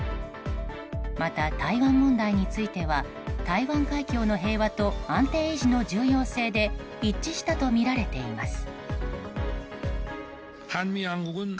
また、台湾問題については台湾海峡の平和と安定維持の重要性で一致したとみられています。